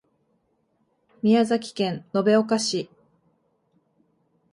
宮崎県延岡市